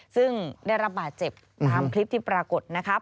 ซึ่งได้รับบาดเจ็บตามคลิปที่ปรากฏนะครับ